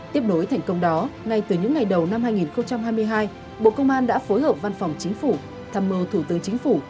tiếp nối thành công đó ngay từ những ngày đầu năm hai nghìn hai mươi hai bộ công an đã phối hợp văn phòng chính phủ tham mưu thủ tướng chính phủ